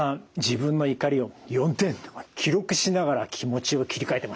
自分の怒りを４点記録しながら気持ちを切り替えてましたね。